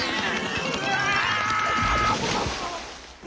うわ！